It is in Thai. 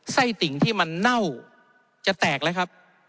ติ่งที่มันเน่าจะแตกแล้วครับ